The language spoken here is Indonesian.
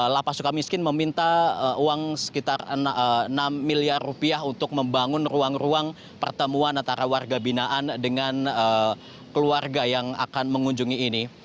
lapas suka miskin meminta uang sekitar enam miliar rupiah untuk membangun ruang ruang pertemuan antara warga binaan dengan keluarga yang akan mengunjungi ini